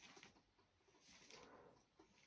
No quedan rastros actualmente de esta obra.